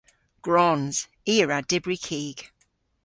Gwrons. I a wra dybri kig.